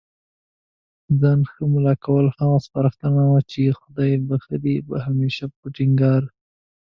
ځان ښه مُلا کول، هغه سپارښتنه وه چي خدای بخښلي به هميشه په ټينګار